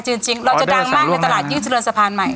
จริงเราจะดังมากในตลาดยิ่งเจริญสะพานใหม่